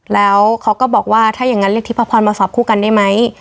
แล้วเขาก็บอกว่าถ้าอย่างนั้นเรียกทิพพรมาสอบคู่กันได้ไหม